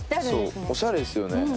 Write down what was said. そうおしゃれですよね